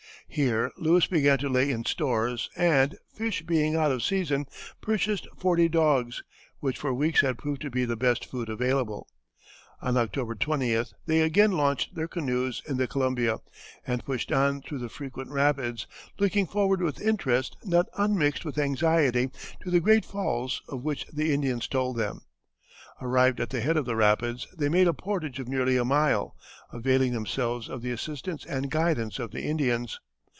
Here Lewis began to lay in stores, and, fish being out of season, purchased forty dogs, which for weeks had proved to be the best food available. On October 20th they again launched their canoes in the Columbia, and pushed on through the frequent rapids, looking forward with interest not unmixed with anxiety to the great falls of which the Indians told them. Arrived at the head of the rapids, they made a portage of nearly a mile, availing themselves of the assistance and guidance of the Indians.